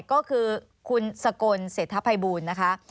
ก็คือคุณสกลเศรษฐภัยบูลนะคะ